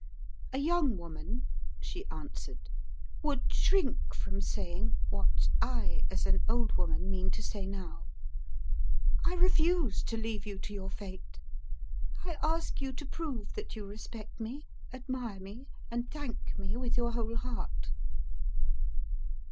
"A young woman," she answered, "would shrink from saying what I, as an old woman, mean to say now. I refuse to leave you to your fate. I ask you to prove that you respect me, admire me, and thank me with your whole heart.